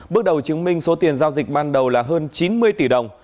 bước đầu chứng minh số tiền giao dịch ban đầu là hơn chín mươi tỷ đồng